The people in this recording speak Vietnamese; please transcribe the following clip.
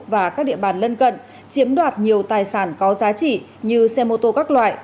và các địa bàn lân cận chiếm đoạt nhiều tài sản có giá trị như xe mô tô các loại